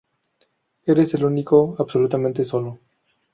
Eres el Único, absolutamente Sólo.